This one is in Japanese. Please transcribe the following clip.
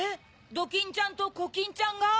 ドキンちゃんとコキンちゃんが？